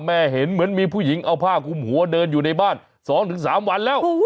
เห็นเหมือนมีผู้หญิงเอาผ้าคุมหัวเดินอยู่ในบ้าน๒๓วันแล้ว